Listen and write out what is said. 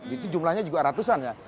itu jumlahnya juga ratusan ya